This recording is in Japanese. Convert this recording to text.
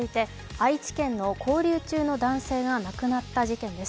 愛知県の勾留中の男性が亡くなった事件です。